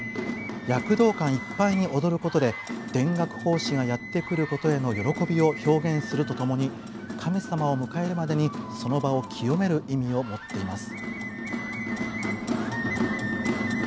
躍動感いっぱいに踊ることで田楽法師がやって来ることへの喜びを表現するとともに神様を迎えるまでにその場を清める意味を持っています。